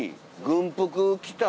軍服？